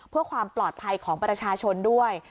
เพื่อความปลอดภัยของประชาชนด้วย